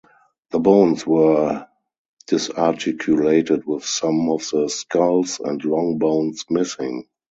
The bones were disarticulated with some of the skulls and long bones missing.